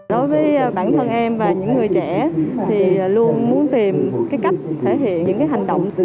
đối với bản thân em và những người trẻ thì luôn muốn tìm cái cách thể hiện những hành động